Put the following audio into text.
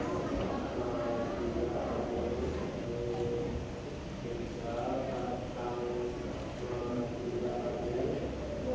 สวัสดีครับสวัสดีครับ